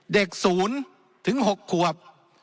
เด็ก๐ถึง๖ควบ